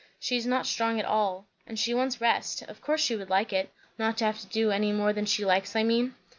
"She is not strong at all, and she wants rest. Of course she would like it. Not to have to do any more than she likes, I mean."